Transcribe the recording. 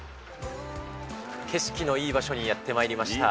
景色のいい場所にやってまいりました。